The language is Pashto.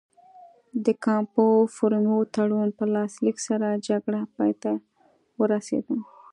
د کامپو فورمیو تړون په لاسلیک سره جګړه پای ته ورسېده.